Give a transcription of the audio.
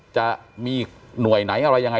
จะมีหน่วยไหนอะไรยังไง